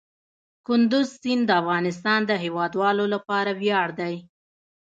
کندز سیند د افغانستان د هیوادوالو لپاره ویاړ دی.